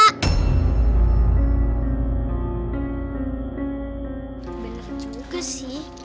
bener juga sih